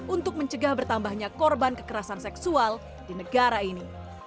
untuk mencegah bertambahnya korban kekerasan seksual di negara ini